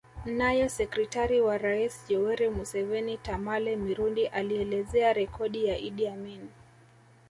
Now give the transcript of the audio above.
Naye sekretari wa rais Yoweri Museveni Tamale Mirundi alielezea rekodi ya Idi Amin